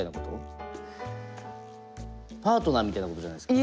パートナーみたいなことじゃないですか。